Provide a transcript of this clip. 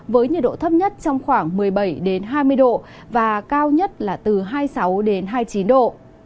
với nhiệt độ thấp nhất trong khoảng một mươi bảy hai mươi độ và cao nhất là từ hai mươi sáu đến hai mươi chín độ